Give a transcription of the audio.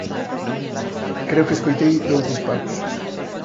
Creo que escoitei dous disparos.